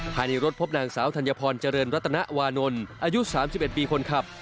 ภายในรถพบนางสาวธัญพรเจริญรัตนวานนท์อายุ๓๑ปีคนขับ